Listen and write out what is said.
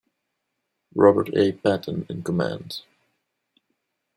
Robert A. Patton in command.